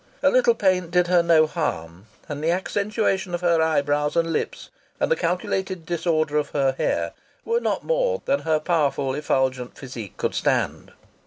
A little paint did her no harm, and the accentuation of her eyebrows and lips and the calculated disorder of her hair were not more than her powerful effulgent physique could stand.